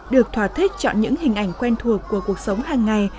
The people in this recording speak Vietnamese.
được thỏa thích chọn những hình ảnh quen thuộc của cuộc sống hàng ngày